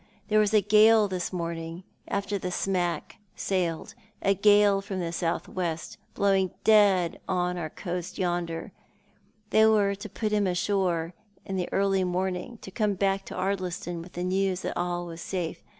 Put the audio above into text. There was a gale this morning, after the smack sailed — a gale from the south west, blowing dead on our coast yonder. They were to put him ashore in the early morn ing, and to come back to Ardliston with the news that all was safe.